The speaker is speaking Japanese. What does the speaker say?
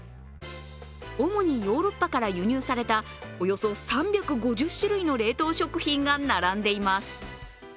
主にヨーロッパから輸入されたおよそ３５０種類の冷凍食品が並んでいます。